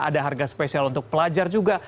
ada harga spesial untuk pelajar juga